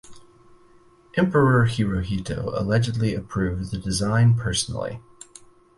Emperor Hirohito allegedly approved the design personally.